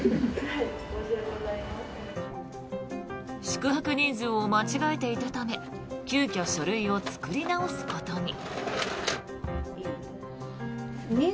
宿泊人数を間違えていたため急きょ書類を作り直すことに。